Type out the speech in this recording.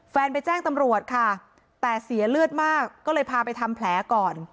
แฟนไปแจ้งตำรวจค่ะแต่เสียเลือดมากก็เลยพาไปทำแผลก่อน